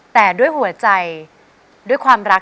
แต่ด้วยหัวใจด้วยความรัก